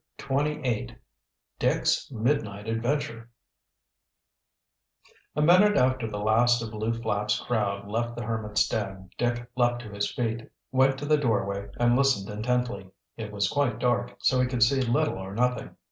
CHAPTER XXVIII DICK'S MIDNIGHT ADVENTURE A minute after the last of Lew Flapp's crowd left the hermit's den Dick leaped to his feet, went to the doorway, and listened intently. It was quite dark, so he could see little or nothing.